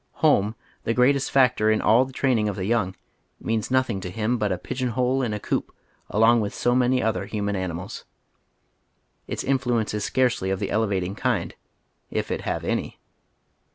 Home, the greatest factor of all in the training of the young, means nothing to him but a pigeon hole in a coop along with so many other human animals. Its influence is scarcely of the elevating kind, if it have any.